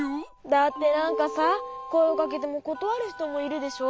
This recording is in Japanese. だってなんかさこえをかけてもことわるひともいるでしょ？